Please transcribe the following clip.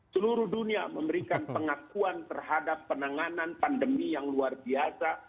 seluruh dunia memberikan pengakuan terhadap penanganan pandemi yang luar biasa